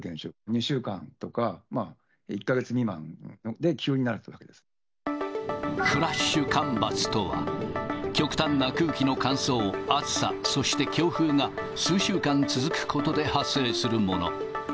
２週間とか１か月未満で、フラッシュ干ばつとは、極端な空気の乾燥、暑さ、そして強風が、数週間続くことで発生するもの。